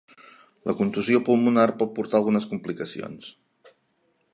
La contusió pulmonar pot portar algunes complicacions.